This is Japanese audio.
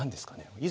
以前。